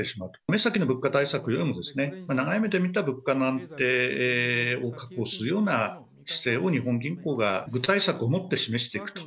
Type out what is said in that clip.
目先の物価対策よりも、長い目で見た物価の安定を確保するような姿勢を日本銀行が具体策をもって示していくと。